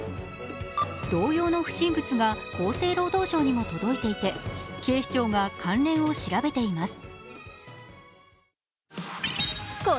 同様の不審物が厚生労働省にも届いていて警視庁が関連を調べています。